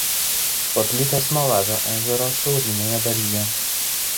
Paplitęs Malavio ežero šiaurinėje dalyje.